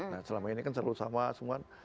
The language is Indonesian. nah selama ini kan selalu sama semua